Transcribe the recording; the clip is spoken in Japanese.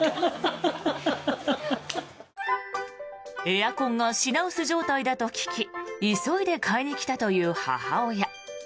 エアコンが品薄状態だと聞き急いで買いに来たという母親。